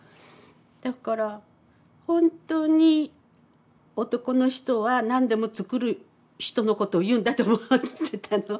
だから本当に男の人は何でも作る人のことを言うんだと思ってたのうん。